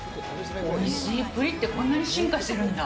おいしい、プリンってこんなに進化してるんだ。